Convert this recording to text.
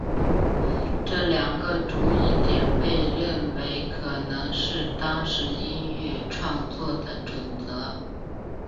这两个注意点被认为可能是当时音乐创作的准则。